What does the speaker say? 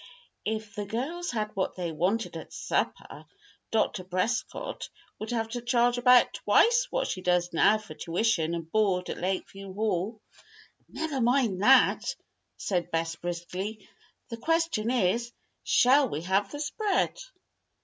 "If the girls had what they wanted at supper, Dr. Prescott would have to charge about twice what she does now for tuition and board at Lakeview Hall." "Never mind that," said Bess, briskly. "The question is: Shall we have the spread?"